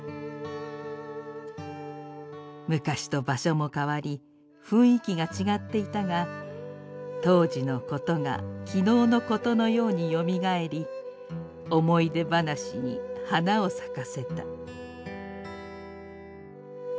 昔と場所も変わり雰囲気が違っていたが当時のことが昨日のことのようによみがえり思い出話に花を咲かせた」。